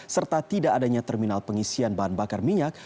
serta tidak adanya terminal pengisian bahan bakar minyak